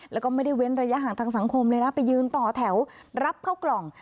แล้วก็ไม่ได้เว้นระยะห่างทางสังคมเลยนะไปยืนต่อแถวรับเข้ากล่อง